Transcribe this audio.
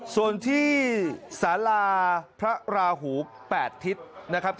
ส่วนที่สาราพระราหู๘ทิศนะครับที่วัดสว่างอารมณ์อำเภยเจ้ากรชัยศรีจังหวัดนครปฐม